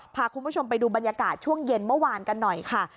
พาคุณผู้ชมไปดูบรรยากาศช่วงเย็นเมื่อวานกันหน่อยค่ะ